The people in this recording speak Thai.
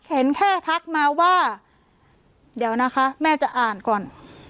เห็นแค่ทักมาว่าเดี๋ยวนะคะแม่จะอ่านก่อน